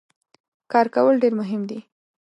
کار کول ډیر مهم دي.